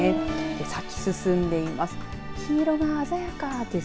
咲き進んでいます。